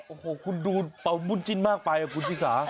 โอ้โหคุณดูเปามุ่นจิ้นมากไปครับคุณพี่สา